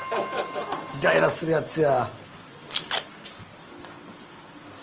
イライラするやつや。